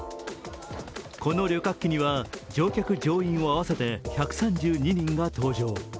この旅客機には乗客・乗員を合わせて１３２人が搭乗。